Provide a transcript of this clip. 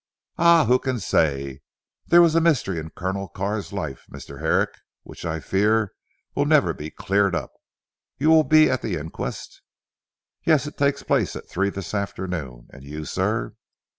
"Ah! who can say! There was a mystery in Colonel Carr's life Mr. Herrick, which I fear will never be cleared up. You will be at the Inquest?" "Yes. It takes place at three this afternoon. And you sir?"